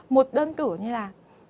một đơn cử như là